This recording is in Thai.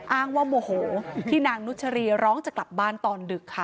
อ้างว่าโมโหที่นางนุชรีร้องจะกลับบ้านตอนดึกค่ะ